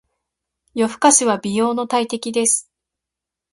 夜更かしは美容の大敵です。